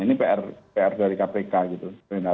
ini pr dari kpk gitu